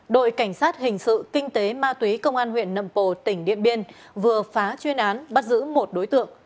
đội cảnh sát hình sự kinh tế ma túy công an huyện nậm pồ tỉnh điện biên vừa phá chuyên án bắt giữ một đối tượng